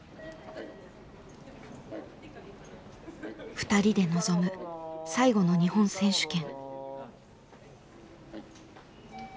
２人で臨む最後の日本選手権。